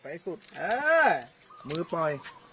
เออมือปล่อย